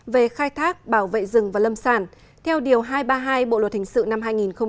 về khai thác bảo vệ rừng và lâm sản theo điều hai trăm ba mươi hai bộ luật hình sự năm hai nghìn một mươi năm